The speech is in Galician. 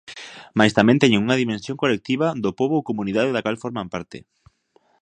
Mais tamén teñen unha dimensión colectiva, do pobo ou comunidade da cal forman parte.